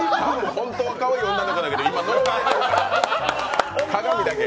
本当はかわいい女の子やけど今、呪われてるだけ。